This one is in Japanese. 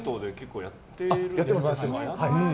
やってます。